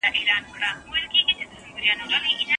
زوی له سهاره ګرځېدلی و.